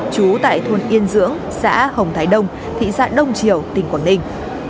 trú tại thôn yên dưỡng xã hồng thái đông thị xã đông triều tỉnh quảng ninh